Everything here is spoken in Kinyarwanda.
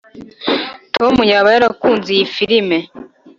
tom yaba yarakunze iyi firime.